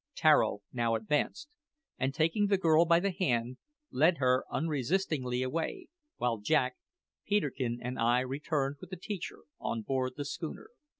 Tararo now advanced, and taking the girl by the hand, led her unresistingly away; while Jack, Peterkin, and I returned with the teacher on board the schooner.